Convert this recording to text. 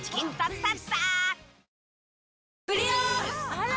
あら！